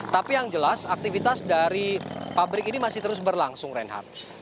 tapi yang jelas aktivitas dari pabrik ini masih terus berlangsung reinhardt